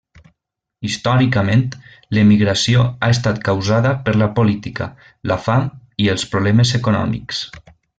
Històricament, l'emigració ha estat causada per la política, la fam i els problemes econòmics.